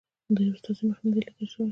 د یوه استازي مخ نه دی لیدل شوی.